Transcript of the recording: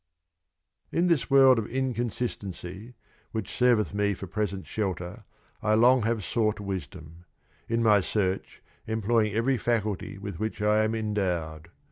(44 J In this World of Inconsistency, which serveth me for present Shelter, I long have sought Wisdom ; in my Search, em ploying every Faculty with which I am en dowed.